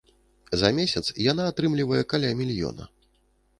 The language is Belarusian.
За месяц яна атрымлівае каля мільёна.